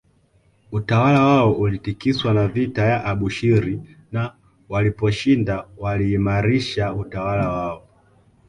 Utawala wao ulitikiswa na vita ya Abushiri na waliposhinda waliimaarisha utawala wao